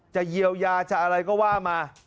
จะเยียวยาจะอะไรก็ว่ามา